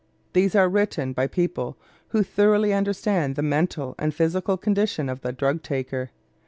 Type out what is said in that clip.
These are written by people who thoroughly understand the mental and physical condition of the drug taker.